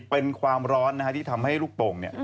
เป็นความร้อนที่ทำให้ลูกโป่งเนี่ย